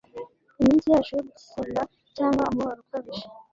iminsi yacu yo gusinda cyangwa umubabaro ukabije